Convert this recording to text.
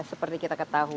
seperti yang kita ketahui